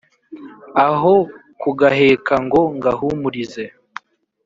Aho kugaheka ngo ngahumurize